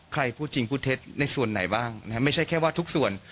พูดจริงพูดเท็จในส่วนไหนบ้างไม่ใช่แค่ว่าทุกส่วน